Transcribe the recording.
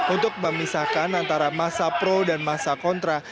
untuk memisahkan antara massa pro dan massa kontra